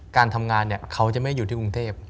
การทำงานเขาจะไม่อยู่ที่กรุงเทพ